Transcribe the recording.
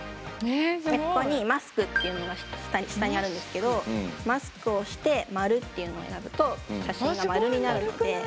でここに「マスク」っていうのが下にあるんですけど「マスク」を押して「マル」っていうのを選ぶと写真が丸になるので。